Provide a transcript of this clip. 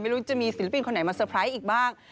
ไม่รู้จะมีศิลปินคนไหนมาเตอร์ไพรส์อีกบ้าง